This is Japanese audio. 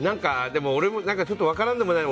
でも、俺もちょっと分からなくもない。